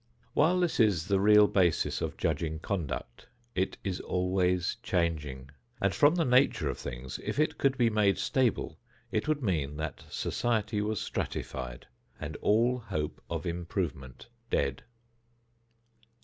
While this is the real basis of judging conduct, it is always changing, and from the nature of things, if it could be made stable, it would mean that society was stratified and all hope of improvement dead.